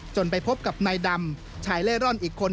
ไปพบกับนายดำชายเล่ร่อนอีกคน